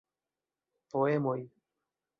Poemoj.